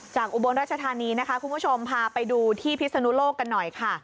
อุบลราชธานีนะคะคุณผู้ชมพาไปดูที่พิศนุโลกกันหน่อยค่ะ